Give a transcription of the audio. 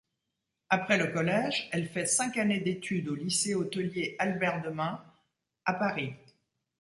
Après le collège, elle fait cinq années d'études au lycée hôtelier Albert-de-Mun, à Paris.